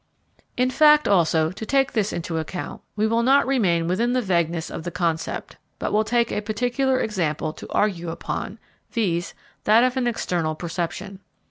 In fact, also, to take this into account, we will not remain within the vagueness of the concept, but will take a particular example to argue upon, viz. that of an external perception.